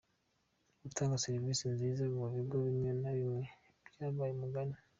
Gutanga serivisi nziza mu bigo bimwe na bimwe byabaye umugani